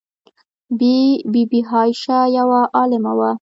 بی بي عایشه یوه عالمه وه.